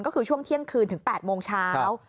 ก็คือช่วงเที่ยงคืนถึง๘โมงเช้า